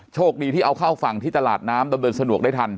โชคดีที่เอาเข้าฝั่งที่ตลาดน้ำดำเนินสะดวกได้ทัน